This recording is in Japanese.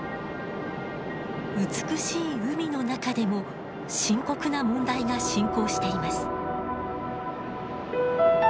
美しい海の中でも深刻な問題が進行しています。